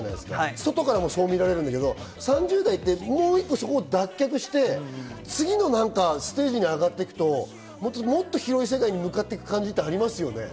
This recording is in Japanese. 外からもそう見られるんだけれども、３０代ってそこを脱却して、次のステージに上がっていくと、もっと広い世界に向かっていく感じがありますよね。